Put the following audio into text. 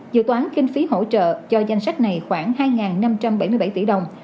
dự toán kinh phí hỗ trợ cho danh sách này khoảng hai năm trăm bảy mươi bảy tỷ đồng